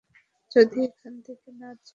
যদি এখান থেকে না যাও?